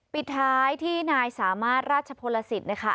ปิดท้ายที่นายสามารถราชพลสิทธิ์นะคะ